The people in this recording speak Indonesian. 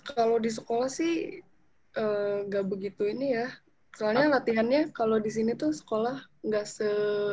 kalo di sekolah sih gak begitu ini ya soalnya latihannya kalo disini tuh sekolah gak se